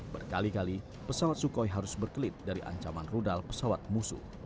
berkali kali pesawat sukhoi harus berkelit dari ancaman rudal pesawat musuh